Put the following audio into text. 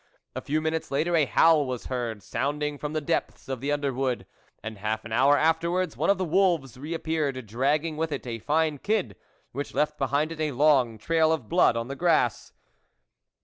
A few minutes later a howl was heard, sounding from the depths of the underwood, and half an hour afterwards one of the wolves reappeared dragging with it a fine kid which left behind it a long trail of blood on the grass.